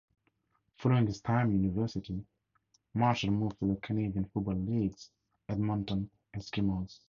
Following his time in university, Marshall moved to the Canadian Football League's Edmonton Eskimos.